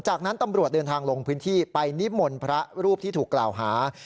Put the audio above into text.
จากนั้นตำรวจเดินทางลงพื้นที่ไปนิมนต์พระรูปที่ถูกกล่าวหา